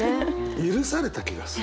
許された気がする。